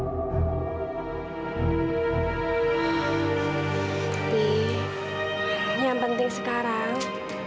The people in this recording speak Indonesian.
tapi yang penting sekarang